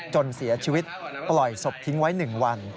จนเสียชีวิตปล่อยศพทิ้งไว้๑วัน